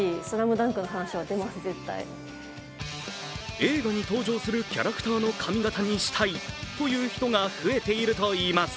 映画に登場するキャラクターの髪形にしたいという人が増えているといいます。